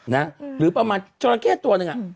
หรือประมาณจราเข้ตัวหนึ่ง